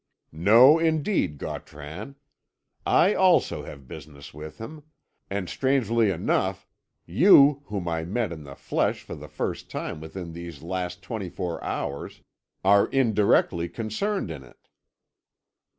"No, indeed, Gautran! I also have business with him. And strangely enough, you, whom I met in the flesh for the first time within these last twenty four hours, are indirectly concerned in it."